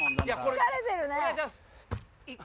疲れてるね。